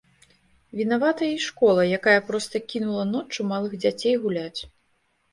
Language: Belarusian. Вінаватая і школа, якая проста кінула ноччу малых дзяцей гуляць.